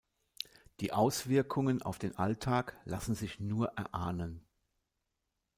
Die Auswirkungen auf den Alltag lassen sich nur erahnen.